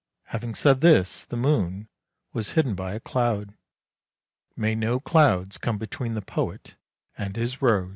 " Having said this the moon was hidden by a cloud. May no clouds come between the poet and his rose